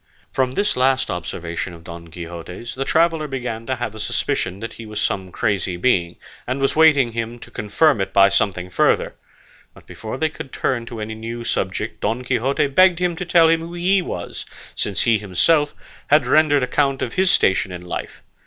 From this last observation of Don Quixote's, the traveller began to have a suspicion that he was some crazy being, and was waiting for him to confirm it by something further; but before they could turn to any new subject Don Quixote begged him to tell him who he was, since he himself had rendered account of his station and life.